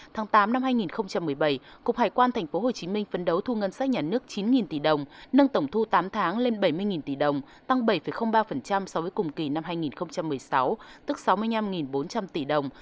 tháng tám năm hai nghìn một mươi bảy cục hải quan tp hcm phấn đấu thu ngân sách nhà nước chín tỷ đồng nâng tổng thu tám tháng lên bảy mươi tỷ đồng tăng bảy ba so với cùng kỳ năm hai nghìn một mươi sáu tức sáu mươi năm bốn trăm linh tỷ đồng